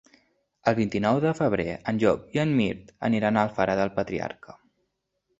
El vint-i-nou de febrer en Llop i en Mirt aniran a Alfara del Patriarca.